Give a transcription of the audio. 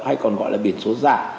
hay còn gọi là biển số giả